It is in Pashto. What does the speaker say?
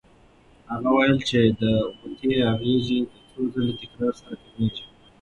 هغه وویل چې د غوطې اغېز د څو ځله تکرار سره کمېږي.